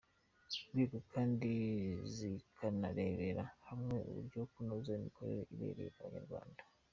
rwego kandi zikanarebera hamwe uburyo zanoza imikorere ibereye abanyarwanda.